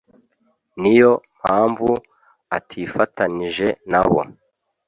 Niyo mpamvu atifatanije nabo.